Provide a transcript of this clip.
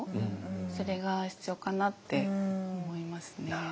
それが必要かなって思いますね。